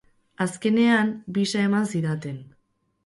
Azkenean, bisa eman zidaten.